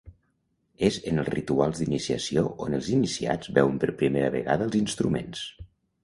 És en els rituals d’iniciació on els iniciats veuen per primera vegada els instruments.